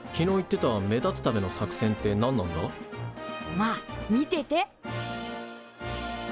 まあ見てて。